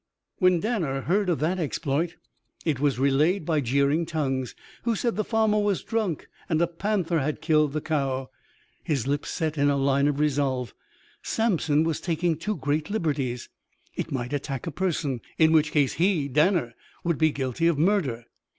When Danner heard of that exploit it was relayed by jeering tongues who said the farmer was drunk and a panther had killed the cow his lips set in a line of resolve. Samson was taking too great liberties. It might attack a person, in which case he, Danner, would be guilty of murder.